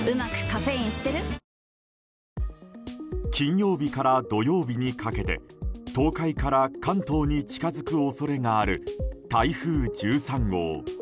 金曜日から土曜日にかけて東海から関東に近づく恐れがある台風１３号。